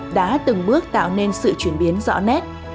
đình lập đã từng bước tạo nên sự chuyển biến rõ nét